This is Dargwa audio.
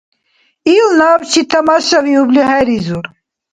Ил набчи тамашавиубли хӀеризур.